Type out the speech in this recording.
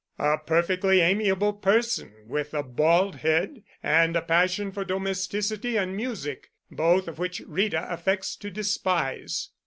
"A perfectly amiable person with a bald head and a passion for domesticity and music, both of which Rita affects to despise."